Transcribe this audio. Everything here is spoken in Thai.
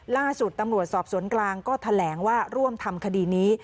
ล่าสุดตำรวจสอบสวนกลางก็แถลงว่าร่วมทำคดีนี้